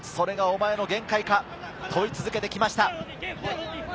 「それが、お前の限界か」、問い続けてきました。